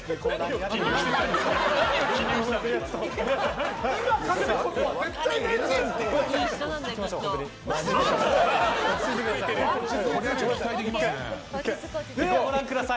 それではご覧ください。